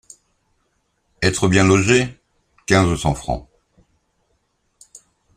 Être bien logé! quinze cents francs !